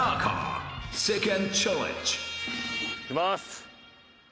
いきます。